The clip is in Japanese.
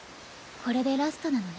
これでラストなのね。